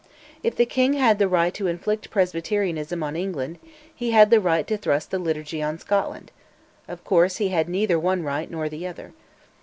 If the king had the right to inflict Presbyterianism on England, he had the right to thrust the Liturgy on Scotland: of course he had neither one right nor the other.